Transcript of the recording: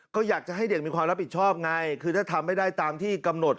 ก็อยากจะให้เด็กมีความรับผิดชอบไงคือถ้าทำไม่ได้ตามที่กำหนด